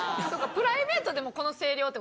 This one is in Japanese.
プライベートでもこの声量って事ですか？